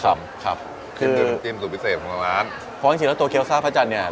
ครับขึ้นด้วยน้ำจิ้มสูตรพิเศษของทางร้านเพราะจริงจริงแล้วตัวเกี๊ซ่าพระจันทร์เนี่ย